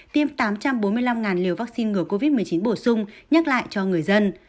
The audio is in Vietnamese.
tiêm tám trăm bốn mươi năm liều vaccine ngừa covid một mươi chín bổ sung nhắc lại cho người dân